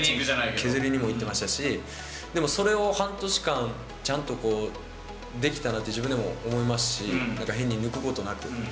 削りにも行ってましたし、でもそれを半年間、ちゃんとできたなって自分でも思いますし、なんか変に抜くことなく。